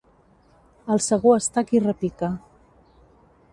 Al segur està qui repica.